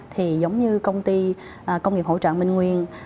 thì giống như công nghiệp hỗ trợ minh nguyên